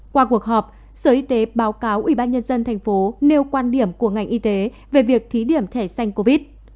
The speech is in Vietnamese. qua cuộc họp sở y tế tp hcm báo cáo ubnd tp hcm nêu quan điểm của ngành y tế về việc thí điểm thẻ xanh covid